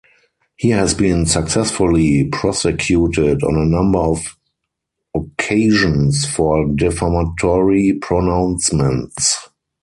He has been successfully prosecuted on a number of occasions for defamatory pronouncements.